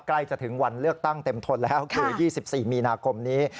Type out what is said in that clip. ใกล้จะถึงวันเลือกตั้งเต็มทนแล้วคือ๒๔มีนาคมนี้